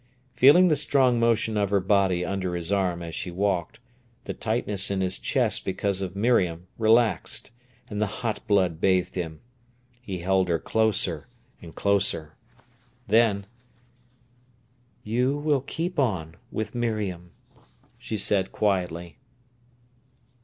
Feeling the strong motion of her body under his arm as she walked, the tightness in his chest because of Miriam relaxed, and the hot blood bathed him. He held her closer and closer. Then: "You still keep on with Miriam," she said quietly.